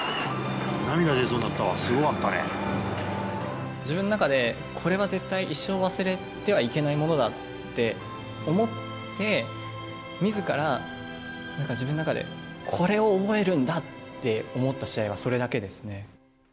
涙出そうになったわ、すごかった自分の中で、これは絶対一生忘れてはいけないものだって思って、みずからなんか自分の中で、これを覚えるんだって思った試合は、それだけですね。